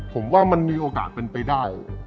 ผมว่ามันมีโอกาสเป็นไปได้